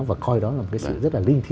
và coi đó là một cái sự rất là linh thiên